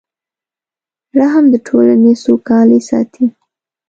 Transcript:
رحم د ټولنې سوکالي ساتي.